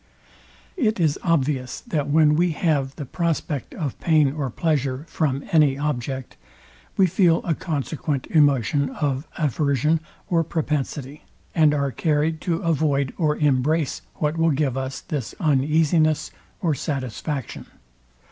It is obvious, that when we have the prospect of pain or pleasure from any object, we feel a consequent emotion of aversion or propensity, and are carryed to avoid or embrace what will give us this uneasines or satisfaction.